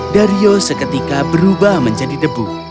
dario seketika berubah menjadi debu